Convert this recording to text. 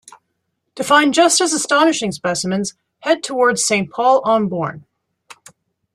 To find just as astonishing specimens head towards Saint-Paul-en-Born.